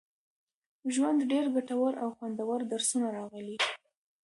ژوند، ډېر ګټور او خوندور درسونه راغلي